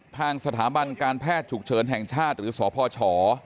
ทางสถาบันการแพทย์ฉุกเฉินแห่งชาติหรือสพช